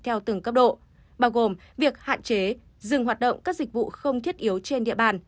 theo từng cấp độ bao gồm việc hạn chế dừng hoạt động các dịch vụ không thiết yếu trên địa bàn